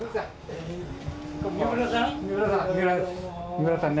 ・三浦さん